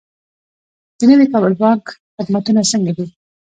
د نوي کابل بانک خدمتونه څنګه دي؟